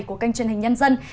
của kênh truyền hình nhân dân